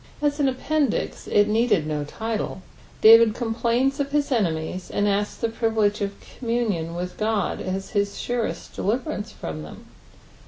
As an appendix if needed no liHe, Damd complains i^his enemies, and asJ:s the privUtge qf communion aith God as his surest detiveranrefrom them.